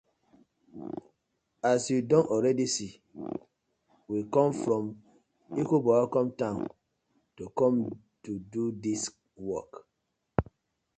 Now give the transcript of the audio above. As yu don already see, we com from Ekoboakwan town to com to do dis work.